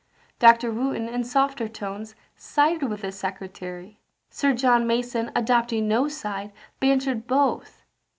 Dr. Wootton, in softer tones, sided with the secretary. Sir John Mason, adopting no side, bantered both.